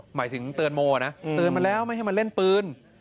หมายถึงเตือนโมนะเตือนมาแล้วไม่ให้มาเล่นปืน